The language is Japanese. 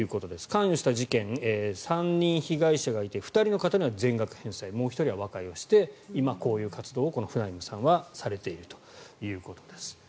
関与した事件、３人被害者がいて２人の方には全額返済もう１人は和解をして今、こういう活動をフナイムさんはされているということです。